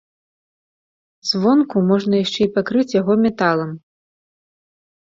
Звонку можна яшчэ і пакрыць яго металам.